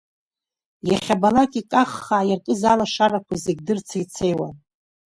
Иахьабалакь икаххаа иаркыз алашарақәа зегь дырцеицеуан.